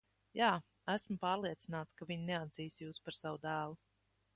Jā, esmu pārliecināts, ka viņi neatzīs jūs par savu dēlu.